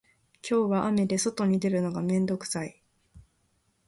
今日は雨で外に出るのが面倒くさい